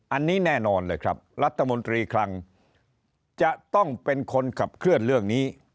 อันนี้แน่นอนเลยครับรัฐมนตรีคลังจะต้องเป็นคนขับเคลื่อนเรื่องนี้